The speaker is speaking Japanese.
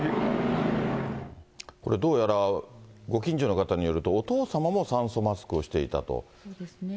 これ、どうやらご近所の方によると、お父様も酸素マスクをしていたと。